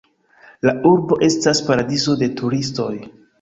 La urbo estas paradizo de turistoj.